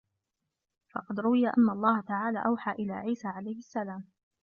فَقَدْ رُوِيَ أَنَّ اللَّهَ تَعَالَى أَوْحَى إلَى عِيسَى عَلَيْهِ السَّلَامُ